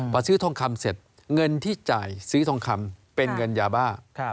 พอซื้อทองคำเสร็จเงินที่จ่ายซื้อทองคำเป็นเงินยาบ้า